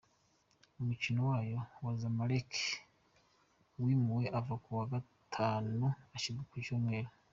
Umukino wayo na Zamalek wimuwe uva kuwa Gatanu ushyirwa ku Cyumweru.